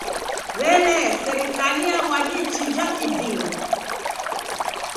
W'elee, serikaliyaw'adie chija kiding'a?